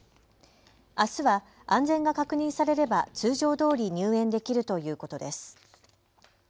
あすは安全が確認されれば通常どおり入園できるということです。